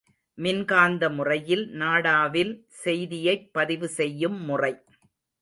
மின்காந்த முறையில் நாடாவில் செய்தியைப் பதிவு செய்யும் முறை.